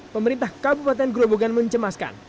pemerintah kabupaten gerobogan mencemaskan